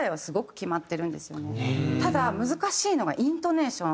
ただ難しいのがイントネーション。